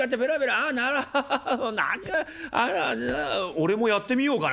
俺もやってみようかな」。